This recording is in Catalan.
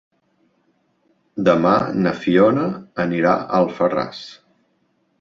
Demà na Fiona anirà a Alfarràs.